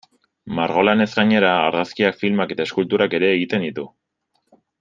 Margolanez gainera, argazkiak, filmak eta eskulturak ere egiten ditu.